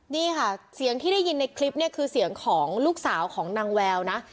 นี่ค่ะเสียงที่ได้ยินในคลิปเนี่ยคือเสียงของลูกสาวของนางแววนะ